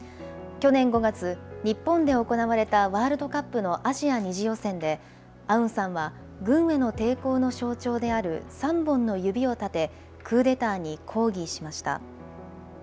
去年５月、日本で行われたワールドカップのアジア２次予選で、アウンさんは、軍への抵抗の象徴である３本の指を立て、クーデターに抗議しました。